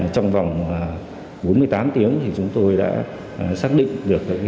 trong vòng bốn mươi tám tiếng chúng tôi đã xác định được địa chỉ